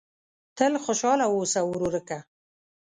تل خوشاله اوسه ورورکه !